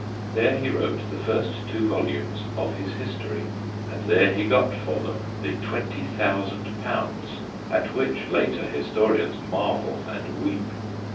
There he wrote the first two volumes of his history, and there he got for them the 20,000 at which later historians marvel and weep.